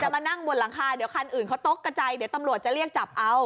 มานั่งบนหลังคาเดี๋ยวคันอื่นเขาตกกระจายเดี๋ยวตำรวจจะเรียกจับเอา